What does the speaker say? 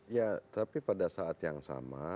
ya tapi pada saat yang sama